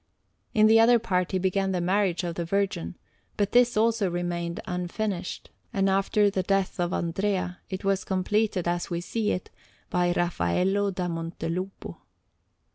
In the other part he began the Marriage of the Virgin, but this also remained unfinished, and after the death of Andrea it was completed as we see it by Raffaello da Montelupo.